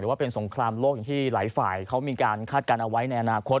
ว่าเป็นสงครามโลกอย่างที่หลายฝ่ายเขามีการคาดการณ์เอาไว้ในอนาคต